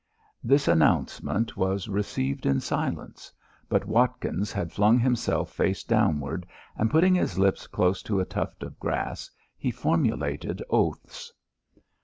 This announcement was received in silence. But Watkins had flung himself face downward, and putting his lips close to a tuft of grass, he formulated oaths.